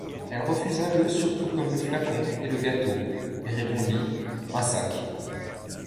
Elle refusa le surtout comme le flacon et le gâteau, et répondit: — Un sac.